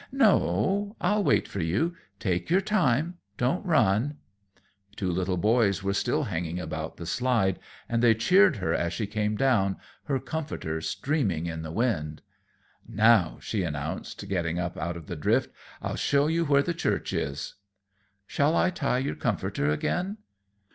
"No. I'll wait for you. Take your time; don't run." Two little boys were still hanging about the slide, and they cheered her as she came down, her comforter streaming in the wind. "Now," she announced, getting up out of the drift, "I'll show you where the church is." "Shall I tie your comforter again?"